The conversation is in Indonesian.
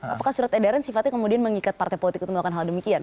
apakah surat edaran sifatnya kemudian mengikat partai politik untuk melakukan hal demikian